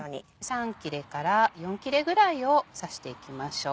３切れから４切れぐらいを刺していきましょう。